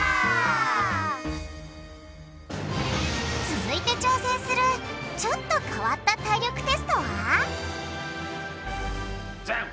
続いて挑戦するちょっと変わった体力テストは？じゃん！